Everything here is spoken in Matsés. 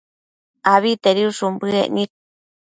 abitedishun bëec nid